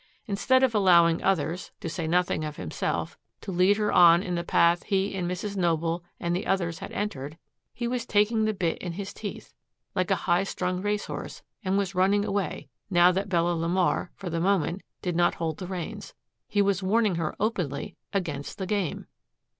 Instead of allowing others, to say nothing of himself, to lead her on in the path he and Mrs. Noble and the others had entered, he was taking the bit in his teeth, like a high strung race horse, and was running away, now that Bella LeMar for the moment did not hold the reins. He was warning her openly against the game!